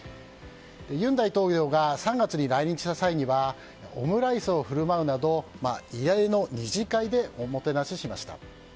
尹大統領が３月に来日した際にはオムライスを振る舞うなど異例の２次会でおもてなししました。